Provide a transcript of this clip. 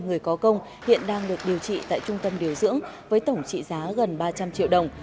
người có công hiện đang được điều trị tại trung tâm điều dưỡng với tổng trị giá gần ba trăm linh triệu đồng